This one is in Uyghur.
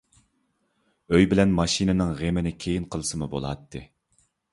ئۆي بىلەن ماشىنىنىڭ غېمىنى كېيىن قىلسىمۇ بولاتتى.